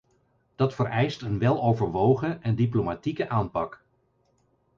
Dat vereist een weloverwogen en diplomatieke aanpak.